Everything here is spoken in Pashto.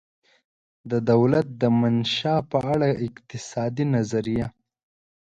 د دولته دمنشا په اړه اقتصادي نظریه